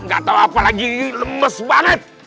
gak tau apa lagi lemes banget